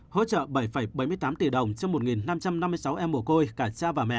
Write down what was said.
hỗ trợ bảy bảy mươi tám tỷ đồng cho một năm trăm năm mươi sáu em mồ côi cả cha và mẹ